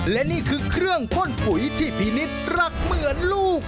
และนี่คือเครื่องพ่นปุ๋ยที่พี่นิดรักเหมือนลูก